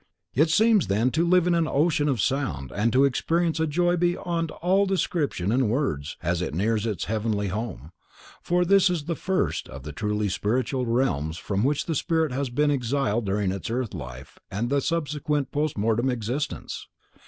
It seems then to lave in an ocean of sound and to experience a joy beyond all description and words, as it nears its heavenly home—for this is the first of the truly spiritual realms from which the spirit has been exiled during its earth life and the subsequent post mortem existence.